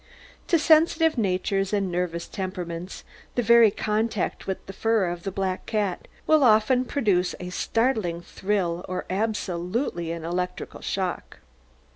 To sensitive natures and nervous temperaments the very contact with the fur of the black cat will often produce a startling thrill or absolutely an electric shock.